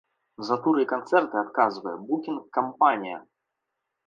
За туры і канцэрты адказвае букінг-кампанія.